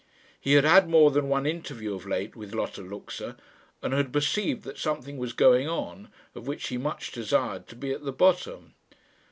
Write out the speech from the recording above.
He had had more than one interview of late with Lotta Luxa, and had perceived that something was going on, of which he much desired to be at the bottom.